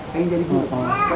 pengen jadi guru